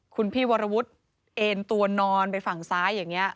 คุณพี่วรวุฒิเอ็นตัวนอนไปฝั่งซ้ายอย่างนี้